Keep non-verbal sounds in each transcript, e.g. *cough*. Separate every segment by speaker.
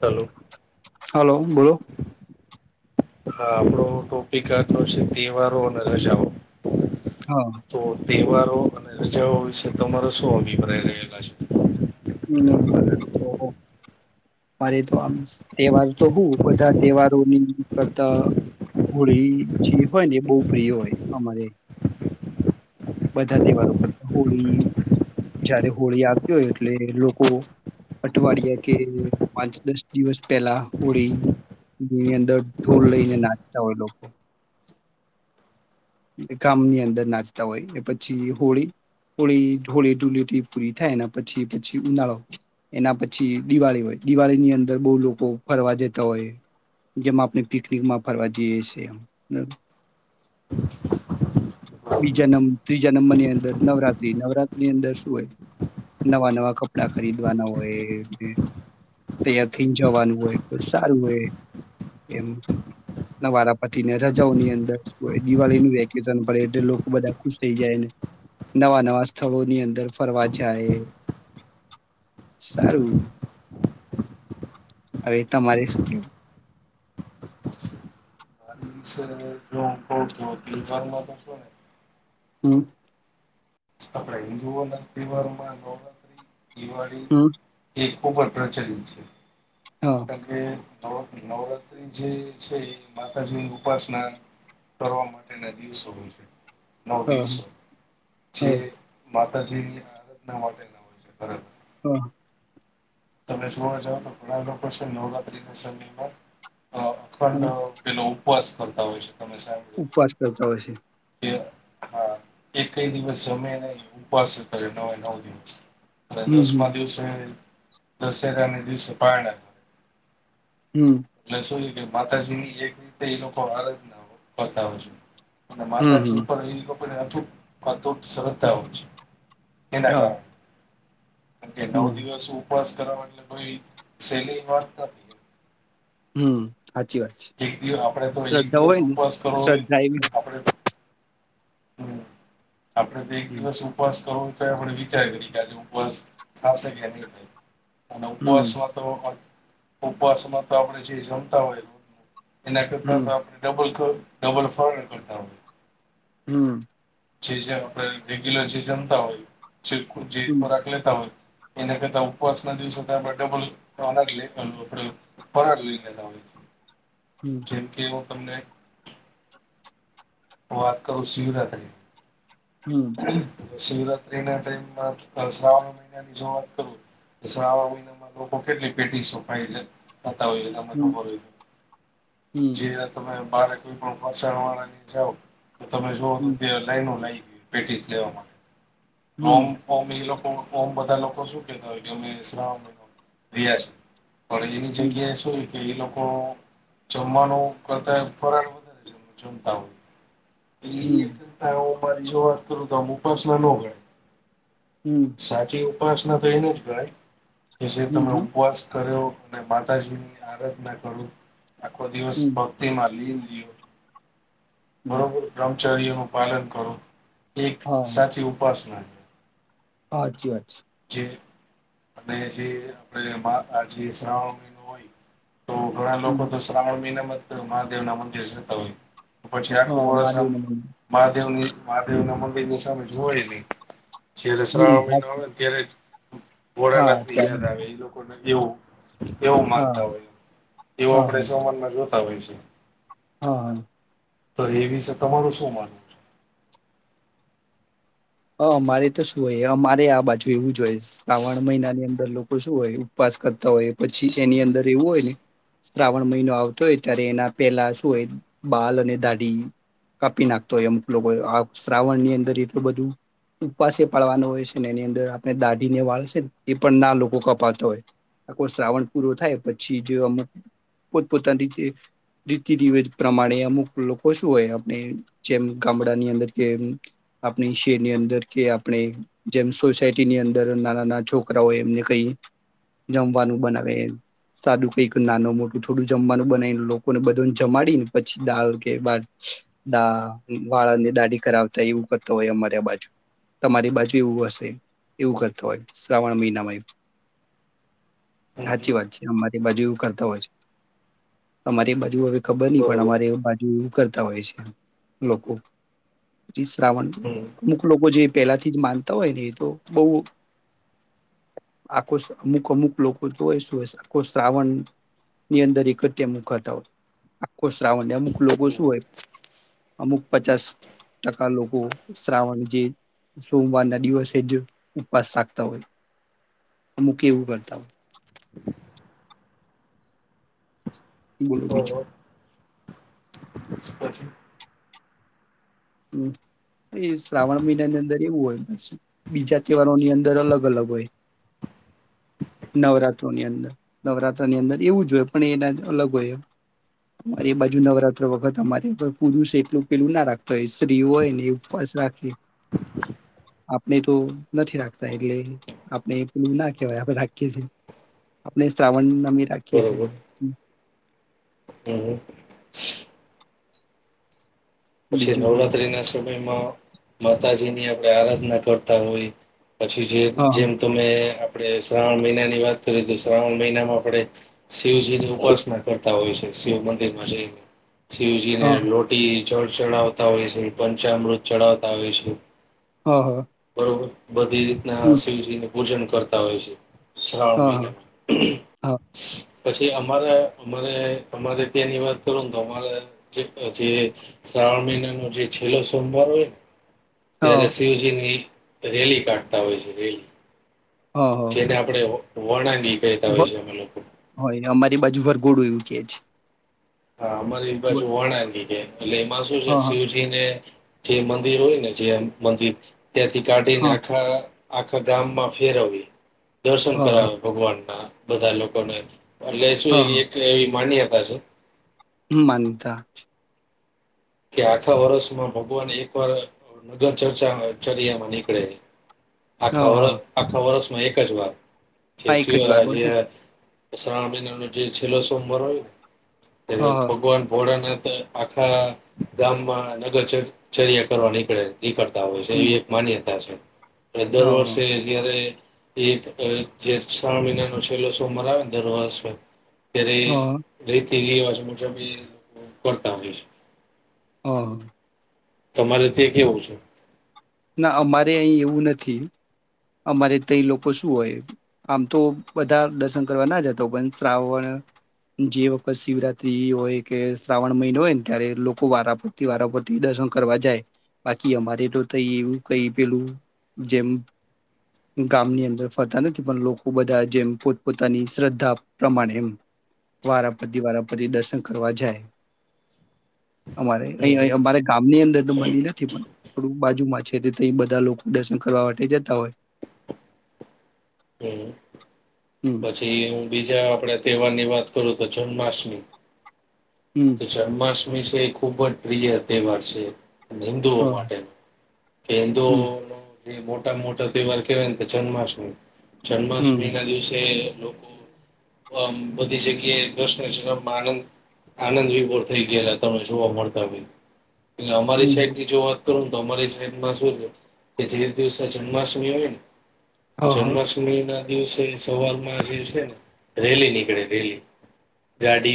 Speaker 1: Hello
Speaker 2: hello hello બોલો
Speaker 1: હા આપણો ટોપિક આજનો છે તહેવારો અને રજાઓ.
Speaker 2: હા
Speaker 1: તો તે. તહેવારો અને રજાઓ વિશે તમારો શું અભિપ્રાય રહેલા છે?
Speaker 2: એને મારે તો મારે તો આમ તહેવાર તો હું બધા તહેવારોની કરતા હોળી જે હોય ને એ બહ પ્રિય હોય અમારે. બધા તહેવારો કરતા હોળી જયારે હોળી આવતી હોય એટલે લોકો અઠવાડિયા કે પાંચ દસ દિવસ પહેલા હોળીની અંદર ઢોલ લઈને નાચતા હોય લોકો ગામની અંદર નાચતા હોય. પછી હોળી હોળી ધૂળેટી પૂરી થાયને એના પછી પછી ઉનાળો એના પછી દિવાળી હોય દિવાળીની અંદર બહુ લોકો ફરવા જતા હોય જેમાં આપણે પિકનિકમાં ફરવા જઈએ છે. બીજા નં ત્રીજા નંબરની અંદર નવરાત્રી નવરાત્રીની અંદર શું હોય. નવા નવા કપડા ખરીદવાના હોય તૈયાર થઈને જવાનું હોય સારું હોય એમ નવારા પતિને રજાઓની અંદર શું હોય દિવાળીનું વેકેશન પડે એટલે લોકો બધા ખુશ થઈ જાયને નવા નવા સ્થળોની અંદર ફરવા જાય. સારું. હવે તમારે શું કેવું?
Speaker 1: શું *unintelligible*
Speaker 2: હા.
Speaker 1: આપડા હિન્દુઓના તહેવારોમાં નવરાત્રી દિવાળી
Speaker 2: હમ
Speaker 1: એ ઉપર પ્રચલિત છે.
Speaker 2: હા
Speaker 1: કારણ કે નવરાત્ર નવરાત્રી જે છે એ માતાજીની ઉપાસના કરવા માટેના દિવસો હોય છે. નવ
Speaker 2: હા
Speaker 1: દિવસો જે
Speaker 2: હા
Speaker 1: મા તાજી ની આરાધના માટેના હોય છે પરંતુ *unintelligible*
Speaker 2: હમ.
Speaker 1: તમે જોવા જાવ તો ઘણા લોકો છે નવરાત્રીના સમયમાં અ અખંડ
Speaker 2: હા
Speaker 1: પેલો ઉપવાસ કરતા હોય છે. તમે સાંભળ્યું
Speaker 2: ઉપવાસ કરતા હોય છે.
Speaker 1: હોય કે હા. એકેય દિવસ જમે નહી ઉપાસ કરે નવે નવ દિવસ અને
Speaker 2: હમ
Speaker 1: દસમાં
Speaker 2: હમ
Speaker 1: દિવસે દશેરાને દિવસે પારણા
Speaker 2: હમ
Speaker 1: એટલે શું છે કે માતાજીની એક રીતે એ લોકો આરાધના કરતા હોય છે. અને
Speaker 2: હમ
Speaker 1: માતાજી ઉપર એ લોકોને અટુટ અટુટ
Speaker 2: હમ
Speaker 1: શ્રદ્ધા હોય છે એના
Speaker 2: હા
Speaker 1: કારણ કેમકે નવ
Speaker 2: હમ
Speaker 1: દિવસો ઉપવાસ કરવામાં એટલે કોઈ સહેલી વાત નથી.
Speaker 2: હમ. સાચી વાત છે
Speaker 1: એક દિવસ આપણેેતો એક
Speaker 2: શ્રદ્ધા
Speaker 1: દિવસ
Speaker 2: હોય ને
Speaker 1: ઉપવાસ
Speaker 2: તો
Speaker 1: કરો એ
Speaker 2: શ્રદ્ધા એવી
Speaker 1: આપણે આપડે તો એક
Speaker 2: હમ
Speaker 1: દિવસ ઉપવાસ કરવો તો ય આપણે વિચાર કરી કે આજે *unintelligible* ઉપવાસ થાશે કે નહી થાય. અને
Speaker 2: હમ
Speaker 1: ઉપવાસમા તો ઉપવાસમાં તો આપડે જે જમતા હોય એના કરતા
Speaker 2: હમ
Speaker 1: તો આપણે ડબલ ડબલ ફરાડ *unintelligible* કરતા હોય.
Speaker 2: હમ
Speaker 1: જે જે આપણે રેગ્યુલર જે જમતા હોય. *inaudible* જે ખોરાક લેતા હોય એના કરતા ઉપવાસના દિવસે આપણે ડબલના *inaudible* ફરાડ લઈ લેતા હોય છે.
Speaker 2: હમ
Speaker 1: જેમ કે હું તમને વાત કહું. *unintelligible*
Speaker 2: હમ.
Speaker 1: શિવરાત્રી ના ટાઈમમાં શ્રાવણ મહિનાની, જો વાત કરું તો શ્રાવણ મહિનામાં લોકો કેટલી પેટીસો ખાય છે. ખાતા હોયએ તમને
Speaker 2: હમ
Speaker 1: ખબર હોય તો
Speaker 2: હમ
Speaker 1: જે આ તમે. બાર કોઈ પણ. *unintelligible* જાવ. તો તમે જેવો તો
Speaker 2: હમ હમ
Speaker 1: ત્યાં લાઇનો લાગી પેટીસ લેવા માટે.
Speaker 2: હમ
Speaker 1: રમ ઓમ એ લોકો. ઓમ બધા લોકો શું કેતા હોય કે અમે શ્રાવણ મહીનો રહ્યા છે. પણ એવીની
Speaker 2: હમ હમ હમ
Speaker 1: જગ્યાએ શું કે એ લોકો જમવાનું કરતા ફરાળ વધારે છે જમતા હોય. *unintelligible* મારી જો વાત કરું તો આ ઉપ ઉપાસના
Speaker 2: હમ
Speaker 1: *inaudible* સાચી. ઉપાસના તો એને જ ગણાય કે જે તમે
Speaker 2: હમ
Speaker 1: ઉપવાસ કર્યો. અને માતાજી ની આરાધના કરો આખો દિવસ
Speaker 2: હમ
Speaker 1: ભક્તિ મા લીન *inaudible*
Speaker 2: હમ
Speaker 1: બરોબર બ્રહ્મ ચર્યનું પાલન કરો. એક
Speaker 2: હા
Speaker 1: સાચી ઉપાસના
Speaker 2: સાચી વાત છે.
Speaker 1: આપણે આજે અંને આજે જે શ્રાવણ મહીનો હોય. તો ઘણા
Speaker 2: છે
Speaker 1: લોકો
Speaker 2: હ
Speaker 1: તો શ્રાવણ મહિનામાં મહાદેવ ના મંદિર જતા હોય. પછી આખુ
Speaker 2: હા
Speaker 1: વર્ષ
Speaker 2: મહાદેવ
Speaker 1: એમ
Speaker 2: ન મંદિર
Speaker 1: મહાદેવની. મહાદેવ ના મંદિરની સામે જોવાય નહી. જ્યારે
Speaker 2: હમ
Speaker 1: શ્રાવણ મહીનો
Speaker 2: સાચું.
Speaker 1: હોય ને *unintelligible* ભોળા
Speaker 2: હા
Speaker 1: નાથ બીજા
Speaker 2: ત્યાં
Speaker 1: આવે એ લોકો એવું કેમ
Speaker 2: હા
Speaker 1: તા હોય છે.
Speaker 2: હા હા.
Speaker 1: તો એ વિશે તમારું શું માનવું છે?
Speaker 2: હ અમારે તો શું હોય અમારે આ બાજુ એવું જ હોય છે. શ્રાવણ મહિનાની અંદર લોકો શું હોય ઉપવાસ કરતા હોય પછી એની અંદર એવું હોય, ને શ્રાવણ મહિનો આવતો હોય ત્યારે એના પેલા શું હોય બાલ અને દાઢી કાપી નાખતો હોય અમુક લોકો શ્રાવણ ની અંદર એટલું બધું ઉપવાસે પાડવાનો હોય છે. ને એની અંદર આપણે દાઢી ને વાળ છેને એ પણ ના લોકો કપાતા હોય આખો શ્રાવણ પૂરો થાય પછી જે અમુક પોતપોતાની રીતે રીતિ રવેજ પ્રમાણે અમુક લોકો શું હોય, આપણે જેમ ગામડાની અંદર કે આપણી જેની અંદર કે આપણે જેમ સોસાયટીની અંદર નાના નાના છોકરાઓય એમને કઈ જમવાનું બનાવે, સાદું કઈક નાનું મોટું થોડું જમવાનું બનાવી લોકોને બધોને જમાડીને, પછી દાળ કે ભાત વાળાને દાઢી કરાવતા એવું કરતા હોય અમારે તમારી બાજુ, તમારી બાજુ એવું હશે એવું કરતા હોય. શ્રાવણ મહિનામાં
Speaker 1: હમ
Speaker 2: સાચી વાત છે અમારી બાજુ એવું કરતા હોય છે તમારી બાજુ હવે ખબર નહી પણ
Speaker 1: બરોબર
Speaker 2: અમારે બાજુ કરતા હોય છે. લોકો પછી શ્રાવણ
Speaker 1: હમ
Speaker 2: અમુક લોકો જે પેલાથી જ માનતા હોય ને એ તો બઉ આખો અમુક અમુક લોકો તો હોય શું હોય, આખો શ્રાવણની અંદર એક જ ટાઈમનો ખાતા હોય આખો શ્રાવણ અમુક લોકો શું હોય અમુક પચાસ ટકા લોકો શ્રાવણ જે સોમવારના દિવસે જ ઉપવાસ રાખતા હોય અમુક એવું કરતા હોય. બોલો બીજુ. એ શ્રાવણ મહિનાની અંદર એવું હોય. બસ બીજા તહેવારોની અંદર અલગ અલગ હોય નવરાત્રોની અંદર નવરાત્રની અંદર એવું જ હોય પણ એના અલગ હોય અ એ બાજુ નવરાત્ર વખત અમારે પુરુષ એટલું પેલું ના રાખું તો સ્ત્રી હોયને ઉપવાસ રાખી. આપણે તો નથી રાખતા એટલે આપણે પલું ના કહેવાય આપણે રાખીએ છીએ આપણે શ્રાવણ કી રાખીએ
Speaker 1: બરોબર
Speaker 2: છી.
Speaker 1: હમ. પછી
Speaker 2: બીજું કઈ
Speaker 1: નવરાત્રીના સમયમાં માતાજીની આપણે આરાધના કરતા હોય. પછી જે
Speaker 2: હા
Speaker 1: જેમ તમે આપણે શ્રાવણ મહિના ની વાત કરીએ, તો શ્રાવણ મહિનામાં આપણે શિવજી ની ઉપાસના કરતા હોય છે. શિવ મંદિરમાં જાયને. શિવજીને
Speaker 2: હા
Speaker 1: લોટી જળ ચડાવતા હોય છે, પંચામૃત ચડાવતા હોય છે.
Speaker 2: હા હા
Speaker 1: બરોબર. બધી રીતના
Speaker 2: હમ
Speaker 1: શિવજી ની પૂજન કરતા હોય છે. શ્રાવણ
Speaker 2: હા હા
Speaker 1: મહિનામા
Speaker 2: હા
Speaker 1: પછી અમારા અમારે અમારે ત્યાંની વાત કરું ને તો અમારા જે-જે શ્રાવણ મહિનાનો જે છેલ્લો સોમવાર હોય.
Speaker 2: હા
Speaker 1: ત્યારે શિવજીની રેલી કાઢતા હોય છે રેલી.
Speaker 2: હા હા
Speaker 1: જેને આપણેે વણની
Speaker 2: હોય અમારી બાજુ વર ગોડું જ કે છે.
Speaker 1: હા અમારી પાછુ
Speaker 2: વ-
Speaker 1: વણની એટલે એમાં શું છે
Speaker 2: હા હા
Speaker 1: શિવજી ને જે મંદિર હોય ને જે મંદિર ત્યાંથી કાઢીને
Speaker 2: હા
Speaker 1: આખા આખા ગામમાં ફેરવે. દર્શન
Speaker 2: હા
Speaker 1: કરાવ
Speaker 2: હા
Speaker 1: ભગવાનના બધા લોકોને એટલ શું
Speaker 2: હા
Speaker 1: એવી
Speaker 2: હા
Speaker 1: એક એવી માન્યતા હજ.
Speaker 2: માનતા
Speaker 1: કે આખા વર્ષમાં ભગવાન એકવાર નગર ચર્ચા ચર્યામાં નીકળે
Speaker 2: હા
Speaker 1: આખા વર
Speaker 2: હા
Speaker 1: આખા વરસ એક જ વાર છ
Speaker 2: હા એક
Speaker 1: સી
Speaker 2: જ
Speaker 1: હો આ
Speaker 2: વારો
Speaker 1: જે
Speaker 2: છે
Speaker 1: શ્રાવણ મહિના નો જે છેલ્લો સોમવાર હોય ને. તે
Speaker 2: હા હા
Speaker 1: ભગવાન ભોલે નાથ તો આખણા ગામમાં નગર ચ ચર્યા કરવા નીકળે. નીકળતા હોય છે એવી
Speaker 2: હમ
Speaker 1: એક માન્યતા છે. અને દર
Speaker 2: હા હા
Speaker 1: વર્ષે જ્યારે એ જે શ્રાવણ મહિનાનો છેલ્લો સોમવાર આવે ને દર વર્ષે ત્યારે
Speaker 2: હા
Speaker 1: લઇન તે રિવાજ મુજબ એ કરતા હોય છે.
Speaker 2: હ
Speaker 1: તમારે ત્યાં કેવું છે?
Speaker 2: ના અમારે અહીં એવું નથી અમારે ત્ય લોકો શું હોય આમ તો બધા દર્શન કરવાના જતો પણ શ્રાવણ જે વખત શિવરાત્રી હોય કે શ્રાવણ મહિનો હોય ને ત્યારે લોકો વારાફરતી વારાફરતી દર્શન કરવા જાય બાકી અમારે તો તઇ એવું કઈ પેલું જેમ ગામની અંદર ફરતા નથી પણ લોકો બધા જેમ પોતપોતાની શ્રદ્ધા પ્રમાણે વારાફરતી વારાફરતી દર્શન કરવા જાય અમારે
Speaker 1: હમ
Speaker 2: અહી અમારે ગામની અંદર તો મંદિર નથી પણ થોડું બાજુમાં છે, તઇ બધા લોકો દર્શન કરવા માટે જતા હોય.
Speaker 1: હમ
Speaker 2: હમ
Speaker 1: પછી બીજા આપડે તહેવારની વાત કરું તો જન્માષ્ટમી
Speaker 2: હમ
Speaker 1: તો જન્માષ્ટમી વિશે એ ખુબ જ પ્રિય તહેવાર છે. હિન્દુઓ
Speaker 2: હા
Speaker 1: માટે કે
Speaker 2: હમ
Speaker 1: હિન્દુઓનુ *unintelligible* મોટા મોટા તહેવાર કહેવાયને તો જન્માષ્ટમી
Speaker 2: હમ
Speaker 1: જન્માષ્ટમીના દિવસે લોકો આમ બમ બધી જગ્યાએ કૃષ્ણજી ને આમ આનંદ આનંદ વિભોર થઈ ગયેલા તમમે જોવા મળતા હોય ને અમારી
Speaker 2: હમ
Speaker 1: સાઈડથી જોવા તો તમારીમાં શું છે, કે જે દિવસે જન્માષ્ટમી હોયને
Speaker 2: હા હા
Speaker 1: જન્માષ્ટમીના દિવસે સવારમાં જે છે, ને રેલી નીકળે રેલી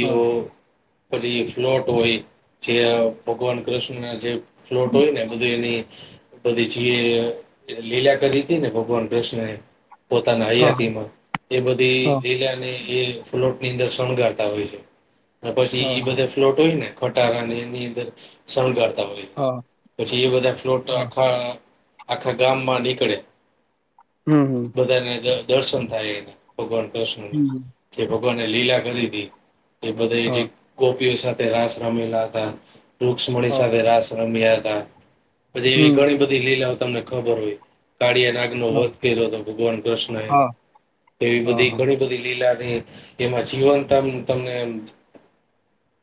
Speaker 2: હા
Speaker 1: પછી ફ્લોટ હોય જે ભગવાન કૃષ્ણને જે ફ્લોટ હોયને બધું એની બધી જેએ લીલા કરી હતી ને ભગવાન કૃષ્ણ એ પોતાના
Speaker 2: હા
Speaker 1: હયાતીમાં એ બધી લીલાને એ ફ્લોટની અંદર શણગારતા હોય છે. પછી ઈ
Speaker 2: હા
Speaker 1: બધે ફ્લોટ હોય ને ખટારા એની અંદર શણગાર તા હોપ
Speaker 2: હા
Speaker 1: પછી એ બધા ફ્લોટને
Speaker 2: હા
Speaker 1: આખા આખા ગામમાં નીકળે
Speaker 2: હમ
Speaker 1: બધાને *unintelligible* દર્શન થાય *unintelligible* એના ભગવાન કૃષ્ણના
Speaker 2: હમ
Speaker 1: જે ભગવાનને લીલા *unintelligible* હતી એ
Speaker 2: હા
Speaker 1: જે કોપીઓ સાથે તે રાશ રમેલા હતા રુક્ષ્મણી
Speaker 2: હા
Speaker 1: સાથે રાસ રમિયા હતા પછી, એવી
Speaker 2: હમ
Speaker 1: ઘણી બધી લીલા તમને ખબર હોય કાળીયા નાગ નો
Speaker 2: હા
Speaker 1: વધ કર્યો હતો ભગવાન કૃષ્ણ એ,
Speaker 2: હા
Speaker 1: એવી બધી
Speaker 2: હા
Speaker 1: ઘણી બધી લીલા એમા, જીવન ત તમને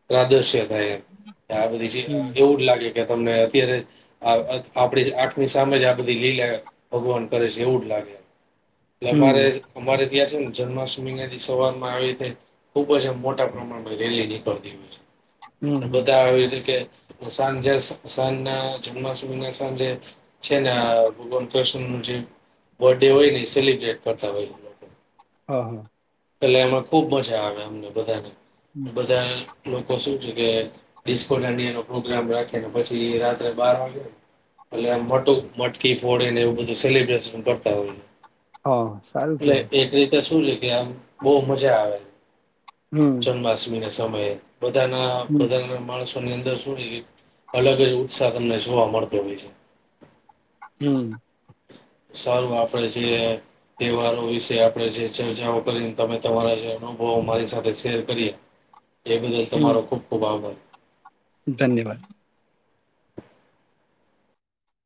Speaker 1: પ્રાદર્શક *unintelligible* આ બધી
Speaker 2: હમ
Speaker 1: એવું જ લાગે કે, તમને અત્યારે આપણે આ કે સામે આ બધી લીલા ભગવાન કરે છે એવું જ લાગે એમ
Speaker 2: હમ
Speaker 1: અમારે, અમારે ત્યાં છે ને જન્માષ્ટમી ના સવાર માં આવી રીતે ખુબ જ મોટા પ્રમાણમાં રે લે *unintelligible* ની પડતી
Speaker 2: હમ
Speaker 1: હોય
Speaker 2: હમ
Speaker 1: બતાયટલે કે સાંજે સાંજ ના જન્માષ્ટમી ના સાંજે છે ને, આ ભગવાન કૃષ્ણ ન, જે બર્થ ડે હોય ને એ સેલિબ્રેટ કરતા હોય
Speaker 2: હા, હા
Speaker 1: એટલે એમાં ખુબ મજા આવે અમને બધાને બધા લોકો શું છે કે, ડિસ્કોિ દાંડિયાનો પ્રોગ્રામ રાખે ને પછી રાત્રે બાર વાગે, એટલે આમ મોટું મટકી ફોડે ને એવું બધું સેલિબ્રેશન કરતા હોય
Speaker 2: હા, સારું
Speaker 1: એટલે
Speaker 2: કેવાય
Speaker 1: એક રીતે શું છે કે આમ બહુ મજા આવે
Speaker 2: હમ
Speaker 1: જન્માષ્ટ એના સમય બધાના,
Speaker 2: હમ
Speaker 1: બધાના, માણસો એની અંદર *unintelligible* અલગ જ, ઉત્સાહ તમને જોવા મળતો હોય છે
Speaker 2: હમ
Speaker 1: સારું આપડે જે અ તહેવારો વિશે આપ જે ચર્ચાઓ કરી તમે તમારા છે. બહુ મારી સાથે શેર કરીએ એ બદલ
Speaker 2: હમ
Speaker 1: તમારો ખૂબ ખૂબ આભાર.
Speaker 2: ધન્યવાદ.